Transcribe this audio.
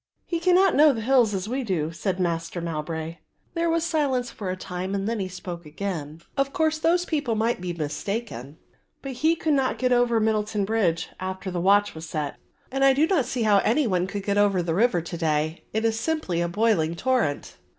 He cannot know the hills as we do," said Master Mowbray. There was silence for a time and then he spoke again, "Of course those people might be mistaken; but he could not get over Middleton Bridge after the watch was set, and I do not see how any one could get over the river to day, it is simply a boiling torrent.